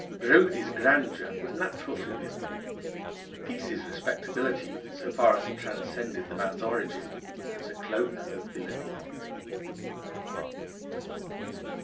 Brodie's grandeur was natural to him; Peace's respectability, so far as it transcended the man's origin, was a cloak of villainy.